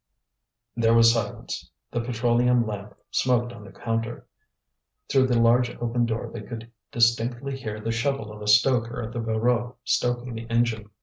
There was silence. The petroleum lamp smoked on the counter. Through the large open door they could distinctly hear the shovel of a stoker at the Voreux stoking the engine.